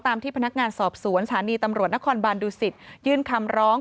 ที่พนักงานสอบสวนสถานีตำรวจนครบานดูสิตยื่นคำร้อง